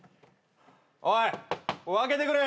おい開けてくれ。